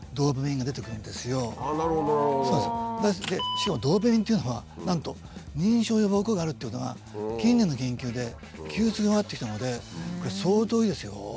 しかもドーパミンというのはなんと認知症予防効果があるっていうことが近年の研究で急速に分かってきたのでこれ相当いいですよ。